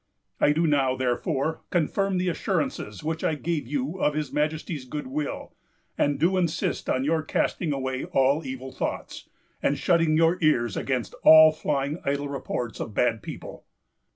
I do now, therefore, confirm the assurances which I give you of his Majesty's good will, and do insist on your casting away all evil thoughts, and shutting your ears against all flying idle reports of bad people."